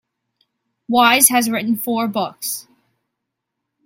Wise has written four books.